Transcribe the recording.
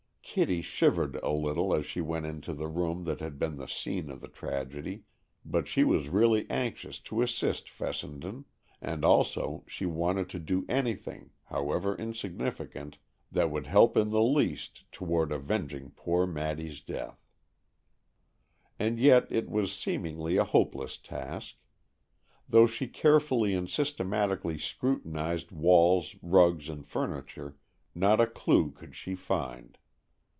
Kitty shivered a little as she went into the room that had been the scene of the tragedy, but she was really anxious to assist Fessenden, and also she wanted to do anything, however insignificant, that would help in the least toward avenging poor Maddy's death. And yet it was seemingly a hopeless task. Though she carefully and systematically scrutinized walls, rugs and furniture, not a clue could she find.